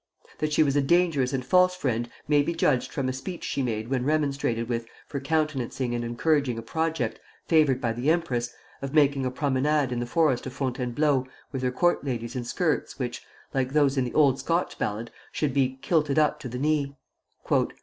That she was a dangerous and false friend may be judged from a speech she made when remonstrated with for countenancing and encouraging a project, favored by the empress, of making a promenade in the forest of Fontainebleau with her court ladies in skirts which, like those in the old Scotch ballad, should be "kilted up to the knee."